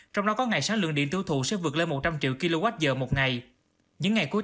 trong đó có ngày sản lượng điện tiêu thụ sẽ vượt lên một trăm linh triệu kwh một ngày